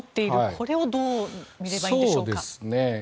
これをどうみればいいんでしょうか？